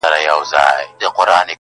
• چي قلم مي له لیکلو سره آشنا سوی دی -